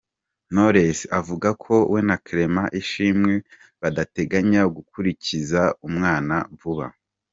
Knowless avuga ko we na Clement Ishimwe badateganya gukurikiza umwana vuba.